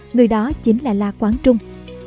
người đó chính là la quán trung